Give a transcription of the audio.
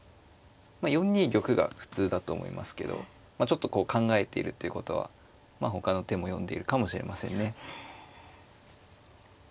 ４二玉が普通だと思いますけどちょっとこう考えているっていうことはほかの手も読んでいるかもしれませんね。